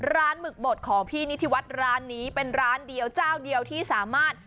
ร้านหมึกบดของพี่นิทิวัตรร้านนี้เป็นร้านเดียวที่สามารถ